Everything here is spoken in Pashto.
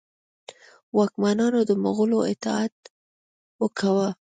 واکمنانو د مغولو اطاعت کاوه.